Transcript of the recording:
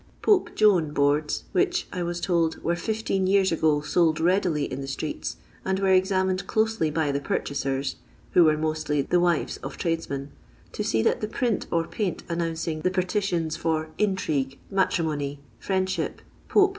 Pope Joan boards, which, I was told, were fifteen years ago sold readily in the streets, and were examined closely by the purchasers (who were mostly the wives of tradesmen), to see that the print or paint announcing the partitions for " intrigue," " matrimony," " friendship," " Pope," &c.